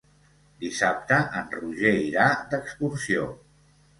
Dissabte en Roger irà d'excursió.